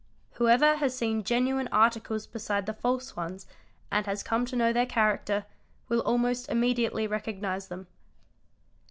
Whoever has seen genuine articles beside the false ones and has come to know their character, will almost immediately recognise them.